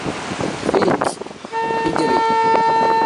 لله يوم بالمسرة قد صفا